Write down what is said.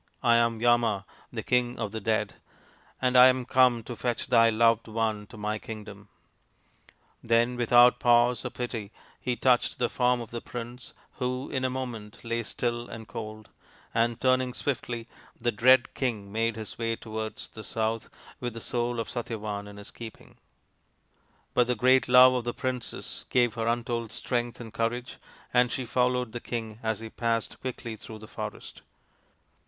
I am Yama, the King of the Dead, and I am come to fetch thy loved one to my kingdom/' Then without pause or pity he touched the form of the prince, who, in a moment, lay still and cold ; and, turning swiftly, the dread King made his way towards the south with the soul of Satyavan in his keeping. But the great love of the princess gave her untold strength and courage, and she followed the King as he passed quickly through the forest.